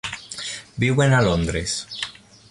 Viuen a Londres.